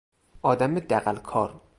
آدم دغلکار